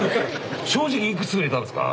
正直いくつ売れたんですか？